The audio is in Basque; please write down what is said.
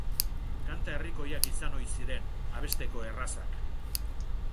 Kanta herrikoiak izan ohi ziren, abesteko errazak.